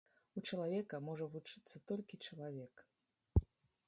У чалавека можа вучыцца толькі чалавек.